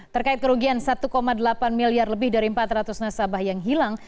terkait kerugian satu delapan miliar lebih dari empat ratus nasabah yang hilang